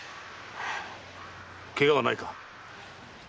ケガはないか？